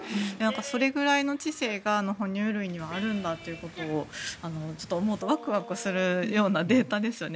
それぐらいの知性が哺乳類にはあるんだということを思うとワクワクするようなデータですよね。